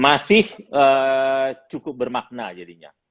masih cukup bermakna jadinya